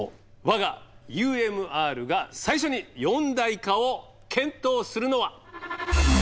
我がＵＭＲが最初に四大化を検討するのは。